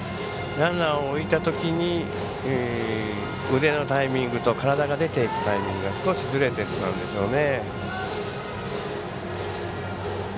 ランナーを置いたときに腕のタイミングと体が出ていくタイミングが少しズレてしまうんでしょうね。